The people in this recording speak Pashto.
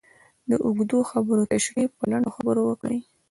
د اوږدو خبرو تشرېح په لنډو خبرو وکړئ.